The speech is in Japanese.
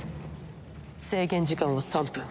制限時間は３分。